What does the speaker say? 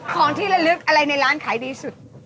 ของที่ละลึกอะไรในร้านขายดีสุด